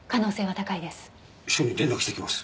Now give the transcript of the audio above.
署に連絡してきます。